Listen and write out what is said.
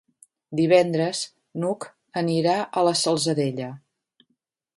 Divendres n'Hug anirà a la Salzadella.